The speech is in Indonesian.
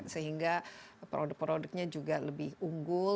sehingga produk produknya juga lebih unggul